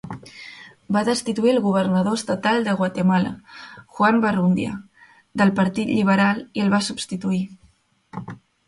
Va destituir el governador estatal de Guatemala, Juan Barrundia, del partit lliberal, i el va substituir.